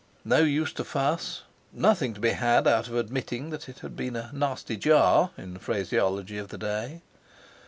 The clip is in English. No use to fuss! Nothing to be had out of admitting that it had been a "nasty jar"—in the phraseology of the day.